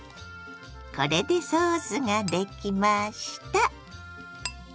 これでソースができました。